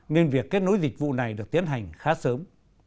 nên việc kết nối dịch vụ này được tiến hành khá sớm